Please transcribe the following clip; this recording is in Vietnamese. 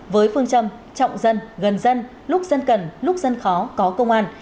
với phương châm trọng dân gần dân lúc dân cần lúc dân khó có công an